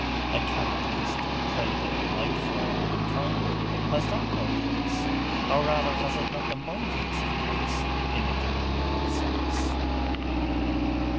'I can, at least, pray day and night for all mankind. Has that no place or rather, has it not the mightiest place in the communion of saints!